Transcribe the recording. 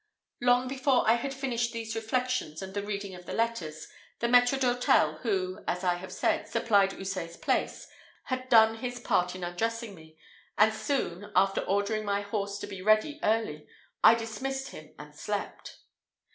Long before I had finished these reflections and the reading of the letters, the maître d'hôtel, who, as I have said, supplied Houssaye's place, had done his part in undressing me; and soon, after ordering my horse to be ready early, I dismissed him and slept.